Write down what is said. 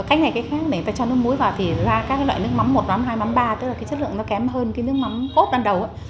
cách này cách khác để người ta cho nước muối vào thì ra các cái loại nước mắm một mắm hai mắm ba tức là cái chất lượng nó kém hơn cái nước mắm cốt ban đầu